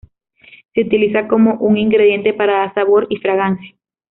Se utiliza como un ingrediente para dar sabor y fragancia.